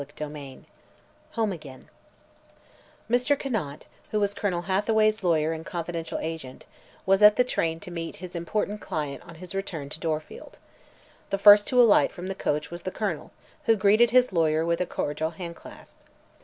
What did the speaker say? CHAPTER XIV HOME AGAIN Mr. Conant, who was Colonel Hathaway's lawyer and confidential agent, was at the train to meet his important client on his return to Dorfield. The first to alight from the coach was the Colonel, who greeted his lawyer with a cordial handclasp.